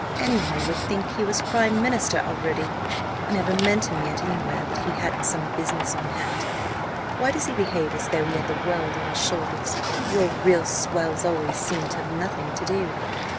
"Any one would think he was prime minister already! I never met him yet anywhere that he hadn't some business on hand. Why does he behave as though he had the world on his shoulders? Your real swells always seem to have nothing to do."